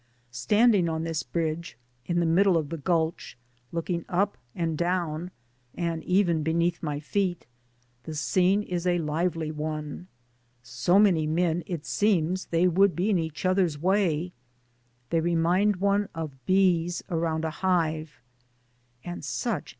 Standing on this bridge, in the middle of the gulch, looking up and down, and even beneath my feet, the scene is a lively one. So many men, it seems they would be in each other's way. They re mind one of bees around a hive. And such DAYS ON THE ROAD.